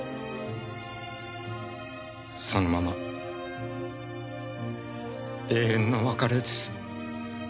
そのまま永遠の別れです。